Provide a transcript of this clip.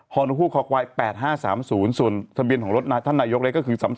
ฮฮคว๘๕๓๐๐ทะเบียนของรถท่านนายก็คือ๓๓๐๗